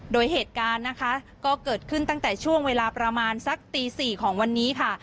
โดยเหตุการณ์นะคะก็เกิดขึ้นตั้งแต่ช่วงเวลาประมาณสักตี๔ของวันนี้ค่ะ